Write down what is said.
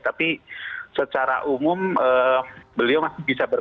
tapi secara umum beliau masih bisa berpikir